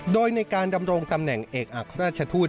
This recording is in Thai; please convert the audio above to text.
โดยในการดำรงตำแหน่งเอกอักราชทูต